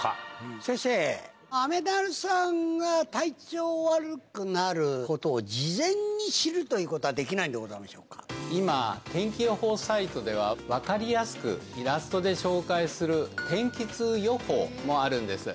先生、雨ダルさんが体調悪くなることを事前に知るということはできない今、天気予報サイトでは、分かりやすくイラストで紹介する天気痛予報もあるんです。